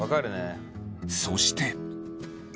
そして。